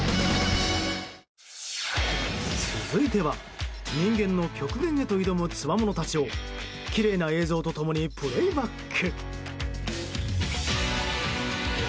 続いては人間の極限へと挑むつわものたちをきれいな映像と共にプレーバック。